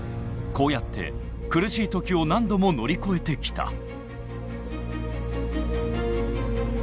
こうやって苦しい時を何度も乗り越えてきた。